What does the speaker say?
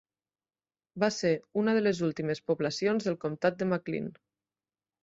Va ser una de les últimes poblacions del comtat de McLean.